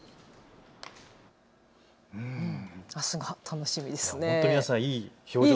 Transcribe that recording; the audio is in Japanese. あすが楽しみですね。